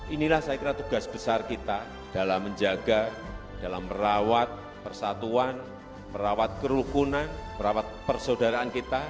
inilah saya kira tugas besar kita dalam menjaga dalam merawat persatuan merawat kerukunan merawat persaudaraan kita